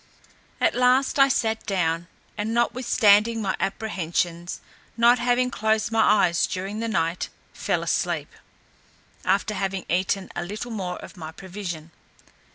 At last I sat down, and notwithstanding my apprehensions, not having closed my eyes during the night, fell asleep, after having eaten a little more of my provision.